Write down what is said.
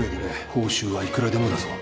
報酬はいくらでも出そう。